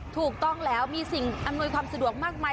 ถูกต้องแล้วมีสิ่งอำนวยความสะดวกมากมาย